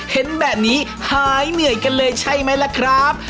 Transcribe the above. เห็นแบบนี้หายเหนื่อยกันเลยใช่ไหมล่ะครับ